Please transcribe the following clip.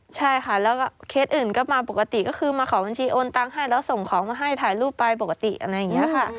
ใช่ค่ะแล้วก็เคสอื่นก็มาปกติก็คือมาขอบัญชีโอนตังค์ให้แล้วส่งของมาให้ถ่ายรูปไปปกติอะไรอย่างนี้ค่ะ